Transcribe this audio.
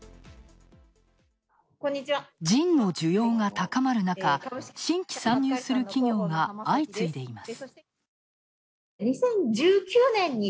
ジンの需要が高まる中、新規参入する企業が相次いでいます。